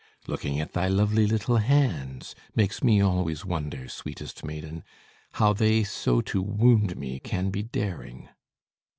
Looking at thy lovely little hands Makes me always wonder, sweetest maiden, How they so to wound me can be daring!